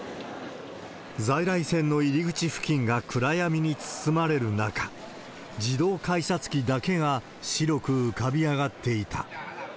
在来線の入り口付近が暗闇に包まれる中、自動改札機だけが白く浮かび上がっていた。